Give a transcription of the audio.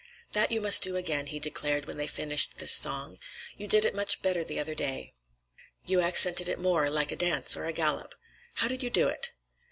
"That you must do again," he declared when they finished this song. "You did it much better the other day. You accented it more, like a dance or a galop. How did you do it?"